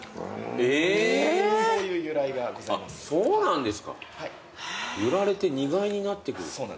そうなんです。